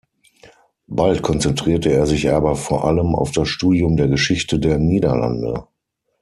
Bald konzentrierte er sich aber vor allem auf das Studium der Geschichte der Niederlande.